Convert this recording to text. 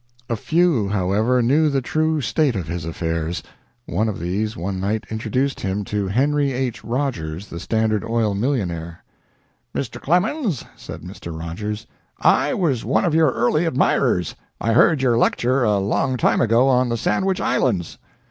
A few, however, knew the true state of his affairs. One of these one night introduced him to Henry H. Rogers, the Standard Oil millionaire. "Mr. Clemens," said Mr. Rogers, "I was one of your early admirers. I heard you lecture a long time ago, on the Sandwich Islands."